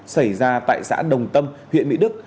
xảy ra tại xã đồng tâm huyện mỹ đức